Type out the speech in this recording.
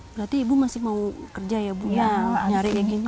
berarti ibu masih mau kerja ya bu ya nyari kayak gini